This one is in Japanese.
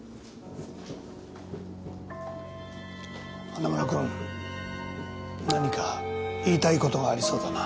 花村君何か言いたいことがありそうだな。